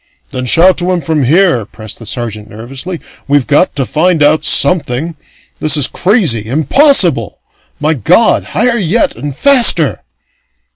"Then shout to him from here," pressed the sergeant nervously. "We've got to find out something! This is crazy impossible! My God! Higher yet and faster!"